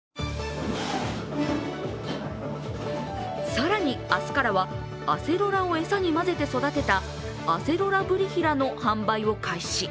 更に明日からはアセロラを餌に混ぜて育てたアセロラブリヒラの販売を開始。